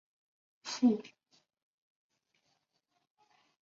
富尔克人口变化图示